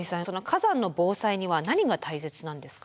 火山の防災には何が大切なんですか？